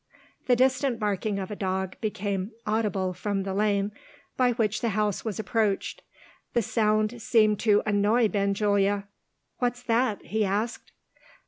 The distant barking of a dog became audible from the lane by which the house was approached. The sound seemed to annoy Benjulia. "What's that?" he asked.